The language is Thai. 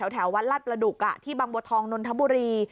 แถววัดลาดประดุกที่บางบัวทองนนทบุรี